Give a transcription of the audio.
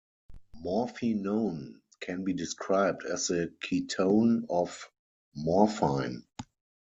Morphinone can be described as the ketone of morphine.